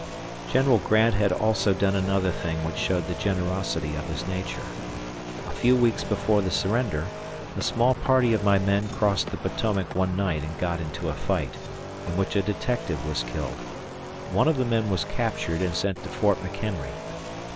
General Grant had also done another thing which showed the generosity of his nature. A few weeks before the surrender, a small party of my men crossed the Potomac one night and got into a fight, in which a detective was killed. One of the men was captured and sent to Fort McHenry.